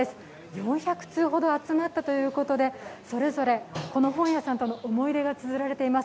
４００通ほど集まったということで、それぞれこの本屋さんとの思い出がつづられています。